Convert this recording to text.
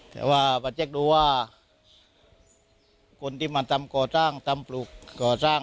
แต่ว่าประเจกดูว่าคนที่มาทำโกะสร้างทำปลูกปลูกโกะสร้าง